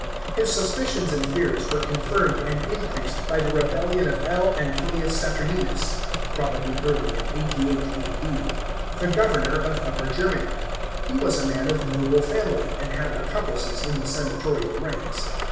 His suspicions and fears were confirmed and increased by the rebellion of L. Antonius Saturninus (probably early in 88 A.D.) the governor of Upper Germany. He was a man of noble family, and had accomplices in the senatorial ranks.